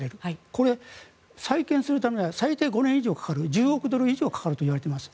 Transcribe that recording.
これ、再建するためには最低５年以上かかる１０億ドル以上かかるといわれています。